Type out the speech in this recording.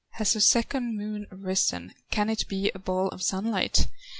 Has a second moon arisen, Can it be a ball of sunlight?"